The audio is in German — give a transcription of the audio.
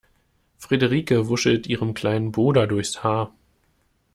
Frederike wuschelt ihrem kleinen Bruder durchs Haar.